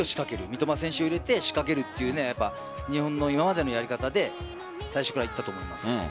三笘選手を入れて仕掛けるという日本の今までのやり方で最初からいったと思います。